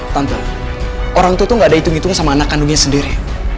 contoh orang tua tuh gak ada hitung hitungan sama anak kandungnya sendiri